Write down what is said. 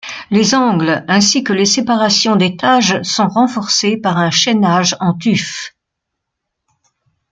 Les angles ainsi que les séparations d'étages sont renforcés par un chaînage en tuf.